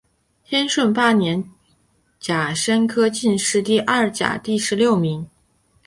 天顺八年甲申科进士第二甲第十六名。